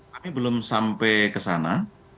kami belum sampai kesana